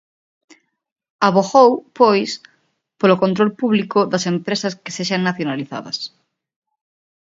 Avogou, pois, polo control público das empresas que sexan nacionalizadas.